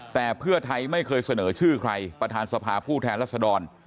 แต่เพื่อไทยไม่เคยเสนอชื่อใครประธานสภาผู้แทนรัศดร